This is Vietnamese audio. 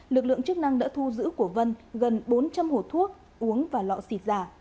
lực lượng chức năng đã thu giữ của vân gần bốn trăm linh hồ thuốc uống và lọ xịt giả